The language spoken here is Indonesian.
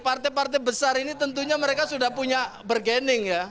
partai partai besar ini tentunya mereka sudah punya bergening ya